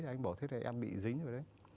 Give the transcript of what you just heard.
anh ấy bảo thế này em bị dính rồi đấy